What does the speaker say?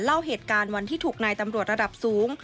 เล่าเหตุการณ์วันที่ถูกนายตำรวจระดับสูง